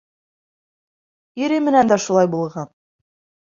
Ире менән дә шулай булған.